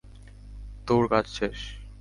তোর কাজ শেষ।